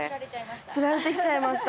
つられて来ちゃいました。